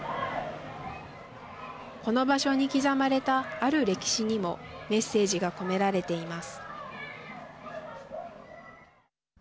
この場所に刻まれたある歴史にもメッセージが込められています。